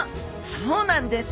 そうなんです！